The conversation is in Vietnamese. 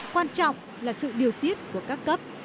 quan trọng là sự điều tiết của các cấp